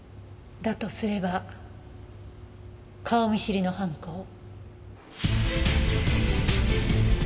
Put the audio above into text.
だとすれば顔見知りの犯行。